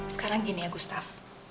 sekarang gini ya gustaf